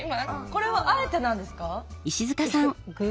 これはあえてなんですか？